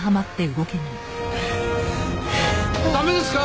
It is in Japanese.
駄目ですか？